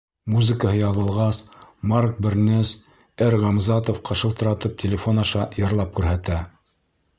Музыкаһы яҙылғас, Марк Бернес Р. Ғамзатовҡа шылтыратып, телефон аша йырлап күрһәтә.